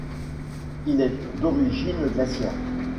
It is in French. Il est d'origine glaciaire.